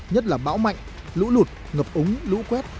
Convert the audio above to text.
nhất là bão mạnh lũ lụt ngập ống lũ quét